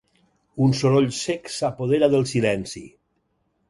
Un soroll sec s'apodera del silenci.